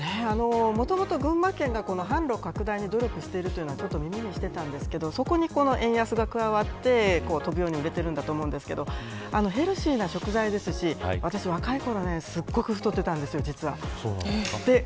もともと群馬県が販路拡大に努力しているというのは耳にしていましたがそこに今の円安が加わって飛ぶように売れていてると思うんですけどヘルシーな食材でし、私若いころすごく太っていたんです、実は。